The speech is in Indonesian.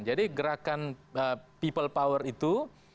jadi gerakan people power itu